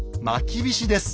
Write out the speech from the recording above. きびしです。